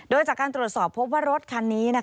โดยจากการตรวจสอบพบว่ารถคันนี้